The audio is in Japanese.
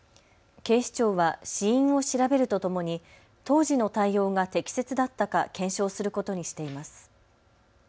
警視庁は死因を調べるとともに当時の対応が適切だったか検証することにしています。